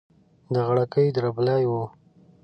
د غړکې دربلۍ وي